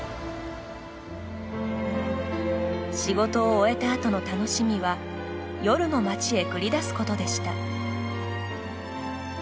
仕事を終えたあとの楽しみは夜の街へ繰り出すことでした。